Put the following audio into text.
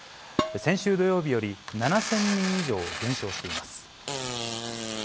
先週土曜日より７０００人以上減少しています。